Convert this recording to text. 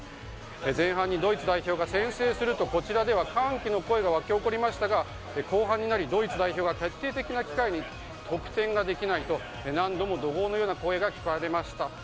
前半にドイツ代表が先制するとこちらでは、歓喜の声が沸き起こりましたが後半になりドイツ代表が決定的な機会に得点ができないと何度も怒号のような声が聞かれました。